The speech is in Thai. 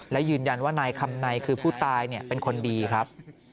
และยืนยันว่านายคำในคือผู้ตายเป็นคนดีครับ